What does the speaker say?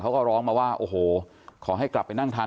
เขาก็ร้องมาว่าโอ้โหขอให้กลับไปนั่งทัน